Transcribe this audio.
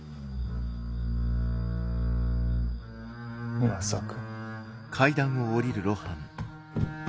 まさか。